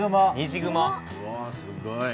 うわすごい。